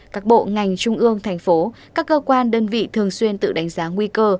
các bộ ngành trung ương thành phố các cơ quan đơn vị thường xuyên tự đánh giá nguy cơ